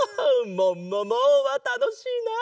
「ももも！」はたのしいなあ。